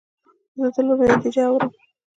زه د لوبې نتیجه اورم.